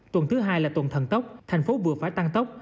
tuần thứ hai là tuần thần tốc thành phố vừa phải tăng tốc